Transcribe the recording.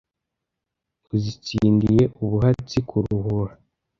Uzitsindiye ubuhatsi Karuhura